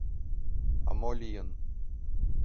А мо лийын?